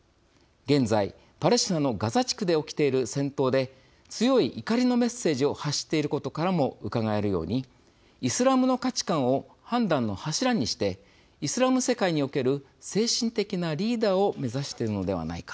現在、パレスチナのガザ地区で起きている戦闘で強い怒りのメッセージを発していることからもうかがえるようにイスラムの価値観を判断の柱にしてイスラム世界における精神的なリーダーを目指しているのではないか。